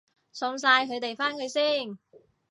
送晒佢哋返去先